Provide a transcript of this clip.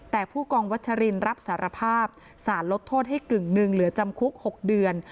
แต่ผู้กองวัชรินรับสารภาพสารลดโทษให้กึ่งหนึ่งเหลือจำคุก๖เดือน